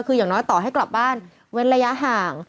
คืออย่างน้อยต่อให้กลับบ้านเว้นระยะห่าง